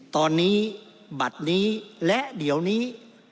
ตอนนี้บัตรนี้และเดี๋ยวนี้